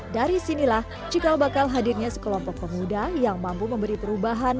dari sinilah cikal bakal hadirnya sekelompok pemuda yang mampu memberi perubahan